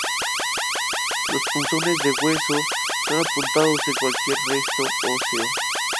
Los punzones de hueso son apuntados en cualquier resto óseo.